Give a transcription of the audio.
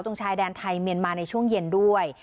ชายแดนไทยเมียนมาในช่วงเย็นด้วย